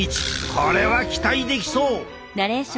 これは期待できそう！